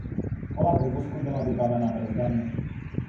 Kola podvozku byla vybavena brzdami.